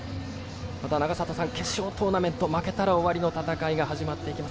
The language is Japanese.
永里さん決勝トーナメント負けたら終わりの戦いが始まっていきます。